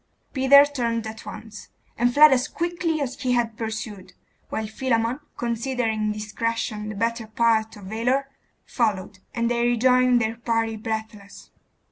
Peter turned at once, and fled as quickly as he had pursued; while Philammon, considering discretion the better part of valour, followed, and they rejoined their party breathless.